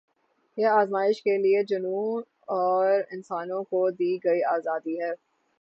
یہ آزمایش کے لیے جنوں اور انسانوں کو دی گئی آزادی ہے